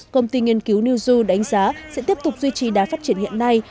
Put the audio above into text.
công ty nghiên cứu newzoo đánh giá sẽ tiếp tục duy trì đá phát triển hiện nay